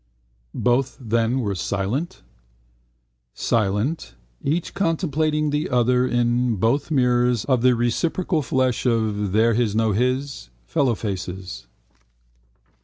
Both then were silent? Silent, each contemplating the other in both mirrors of the reciprocal flesh of theirhisnothis fellowfaces.